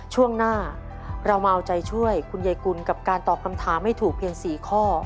ช่วงหน้าเรามาเอาใจช่วยคุณยายกุลกับการตอบคำถามให้ถูกเพียง๔ข้อ